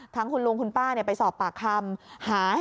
ทั้งคุณลุงคุณป้าไปสอบปากคำ